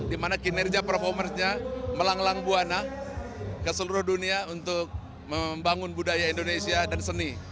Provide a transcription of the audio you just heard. di mana kinerja performernya melanglang buana ke seluruh dunia untuk membangun budaya indonesia dan seni